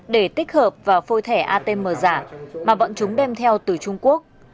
để tích hợp vào phôi thẻ atm giả mà bọn chúng đem theo từ trung quốc